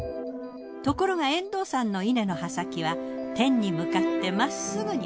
ところが遠藤さんのイネの葉先は天に向かって真っすぐに。